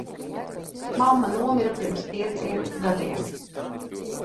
Mamma nomira pirms pieciem gadiem.